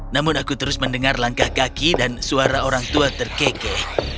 namun aku terus mendengar langkah kaki dan suara orang tua terkekeh